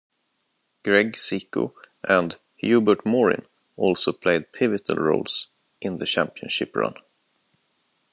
Greg Ziko and Hubert Morin also played pivotal roles in the championship run.